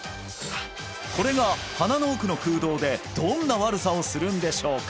これが鼻の奥の空洞でどんな悪さをするんでしょうか？